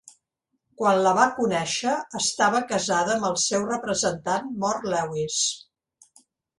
Quan la va conèixer, estava casada amb el seu representant Mort Lewis.